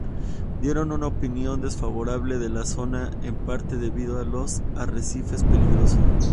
Dieron una opinión desfavorable de la zona en parte debido a los arrecifes peligrosos.